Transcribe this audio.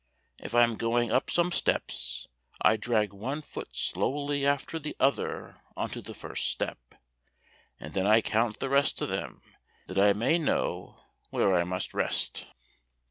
If I am going up some steps, I drag one foot slowly after the other on to the first step, and then I count the rest of them that I may know where I must rest."